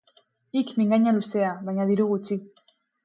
Hik mingaina luzea, baina diru gutxi.